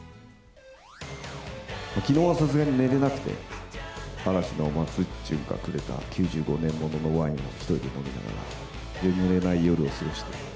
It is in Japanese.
きのうはさすがに寝れなくて、嵐の松潤がくれた９５年物のワインを１人で飲みながら、眠れない夜を過ごして。